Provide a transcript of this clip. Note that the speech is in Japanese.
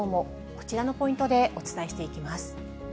こちらのポイントでお伝えしていきます。